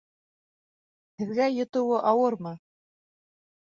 Һеҙгә йотоуы ауырмы?